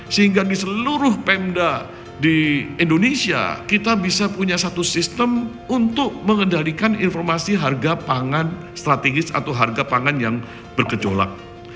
sehingga di seluruh pemda di indonesia kita bisa punya satu sistem untuk mengendalikan informasi harga pangan strategis atau harga pangan yang berkejolak